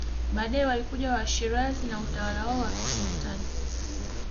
Baadae walikuja Washirazi na utawala wao wa kisultani